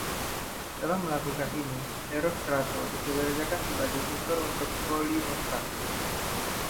Setelah melakukan ini, Erostrato dipekerjakan sebagai tutor untuk Polynesta.